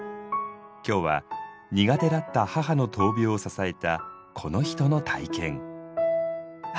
今日は苦手だった母の闘病を支えたこの人の体験。